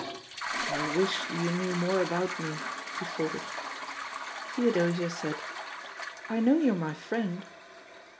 "I wish you knew; more about me/' he faltered. Theodosia said, "I know you're my friend.'